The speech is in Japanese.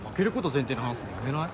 前提で話すのやめない？